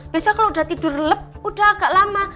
biasanya kalau udah tidur lep udah agak lama